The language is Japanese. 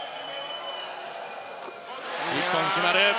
１本決まる。